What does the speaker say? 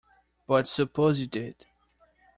But suppose you did?